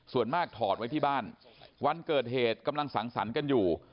ส่วนมากถอดไว้ที่บ้านวันเกิดเหตุกำลังสังสรรค์กันอยู่